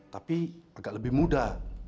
tapi agak lebih muda